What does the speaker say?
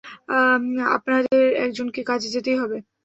আমাদের একজনকে কাজে যেতেই হবে।